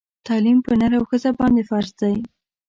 تعلیم پر نر او ښځه باندي فرض دی